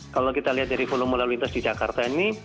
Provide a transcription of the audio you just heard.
kalau kita lihat dari volume lalu lintas di jakarta ini